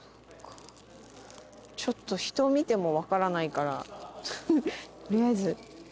ちょっと人を見ても分からないから取りあえず。